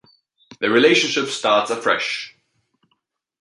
Their relationship starts afresh.